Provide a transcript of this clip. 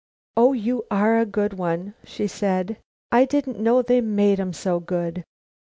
"Oh, you are a good one," she said. "I didn't know they made 'em so good!"